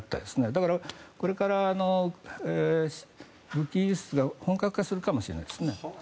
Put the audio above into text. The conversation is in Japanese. だから、これから武器輸出が本格化するかもしれないですね。